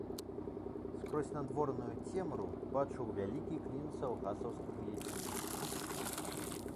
Скрозь надворную цемру бачыў вялікі клін саўгасаўскага ячменю.